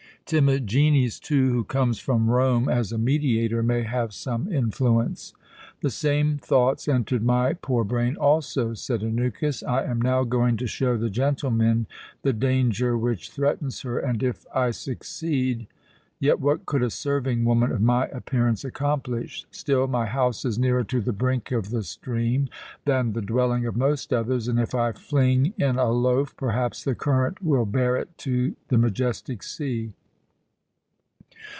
Timagenes, too, who comes from Rome as a mediator, may have some influence." "The same thoughts entered my poor brain also," said Anukis. "I am now going to show the gentlemen the danger which threatens her, and if I succeed Yet what could a serving woman of my appearance accomplish? Still my house is nearer to the brink of the stream than the dwelling of most others, and if I fling in a loaf, perhaps the current will bear it to the majestic sea."